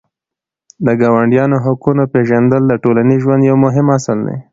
د ګاونډیانو حقونه پېژندل د ټولنیز ژوند یو مهم اصل دی.